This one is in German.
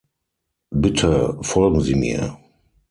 Bitte, folgen Sie mir.